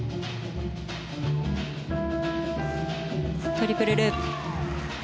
トリプルループ。